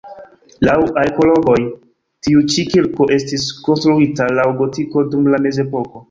Laŭ arkeologoj tiu ĉi kirko estis konstruita laŭ gotiko dum la mezepoko.